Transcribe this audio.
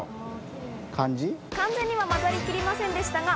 完全には混ざりきりませんでしたが。